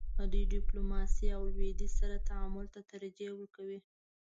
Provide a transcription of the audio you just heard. دوی ډیپلوماسۍ او لویدیځ سره تعامل ته ترجیح ورکوي.